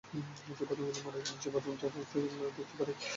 যে-বাথরুমে উনি মারা গেলেন সেই বাথরুমটা দেখতে পারি?